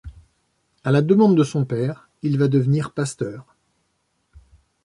À la demande de son père, il va devenir pasteur.